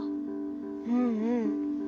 うんうん。